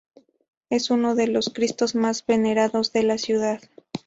Es uno de los Cristos más venerados de la ciudad.